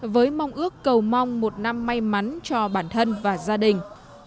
với mong ước cầu mong một năm may mắn cho bản thân và gia đình